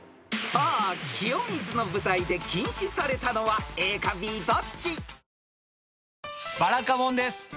［さあ清水の舞台で禁止されたのはＡかＢどっち？］